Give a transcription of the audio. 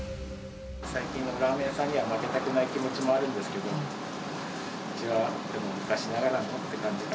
最近のラーメン屋さんには負けたくない気持ちもあるんですけど、うちは昔ながらのって感じか